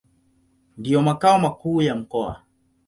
Ndio makao makuu ya mkoa.